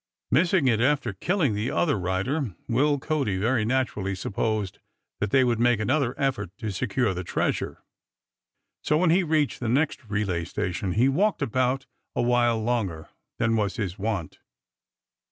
Missing it after killing the other rider, Will Cody very naturally supposed that they would make another effort to secure the treasure. So when he reached the next relay station he walked about a while longer than was his wont.